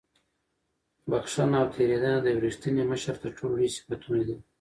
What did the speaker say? بښنه او تېرېدنه د یو رښتیني مشر تر ټولو لوی صفتونه دي.